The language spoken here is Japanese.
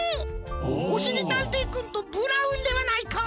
おしりたんていくんとブラウンではないか。